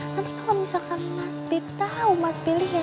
nanti kalau misalkan mas bib tau mas bilian